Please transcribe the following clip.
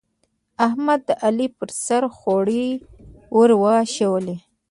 احمد، د علي پر سر خورۍ ور واېشولې.